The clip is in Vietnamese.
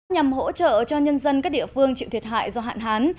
nhằm hỗ trợ cho nhân dân các địa phương chịu thiệt hại do hạn hán